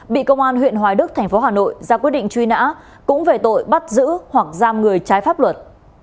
bị công an huyện hoài đức thành phố hà nội ra quyết định truy nã cũng về tội bắt giữ hoặc giam người trái pháp luật